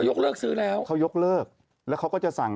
ยกเลิกซื้อแล้วเขายกเลิกแล้วเขาก็จะสั่ง